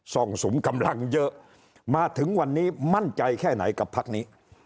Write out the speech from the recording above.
ส่งสุมกำลังเยอะมาถึงวันนี้มั่นใจแค่ไหนกับพักนี้